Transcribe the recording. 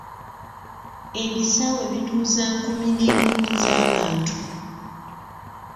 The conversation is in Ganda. Ebisaawe bituuza nkumi n'enkumi z'abantu.